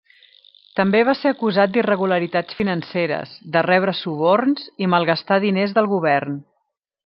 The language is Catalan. També va ser acusat d'irregularitats financeres, de rebre suborns i malgastar diners del govern.